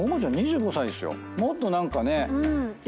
もっと何かね。